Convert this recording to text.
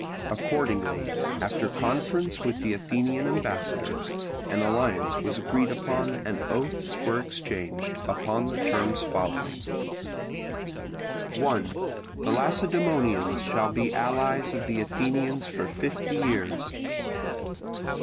Accordingly, after conference with the Athenian ambassadors, an alliance was agreed upon and oaths were exchanged, upon the terms following: 1. The Lacedaemonians shall be allies of the Athenians for fifty years.